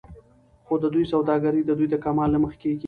خو د دوى سوداګري د دوى د کمال له مخې کېږي